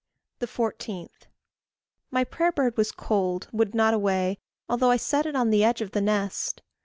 14. My prayer bird was cold would not away, Although I set it on the edge of the nest.